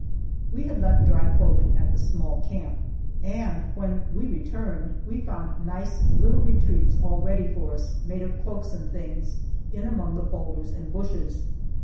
We had left dry clothing at the small camp, and when we returned we found nice little retreats all ready for us, made of cloaks and things, in among the boulders and bushes.